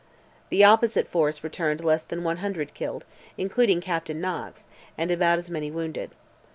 The opposite force returned less than 100 killed, including Captain Knox, and about as many wounded.